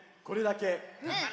これだけ。